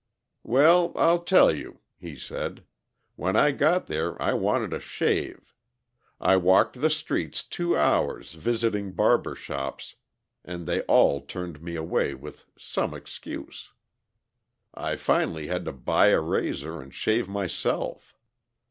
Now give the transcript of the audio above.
"Well, I'll tell you," he said, "when I got there I wanted a shave; I walked the streets two hours visiting barber shops, and they all turned me away with some excuse. I finally had to buy a razor and shave myself!